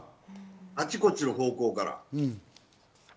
あちこちの方向から。